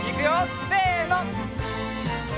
せの！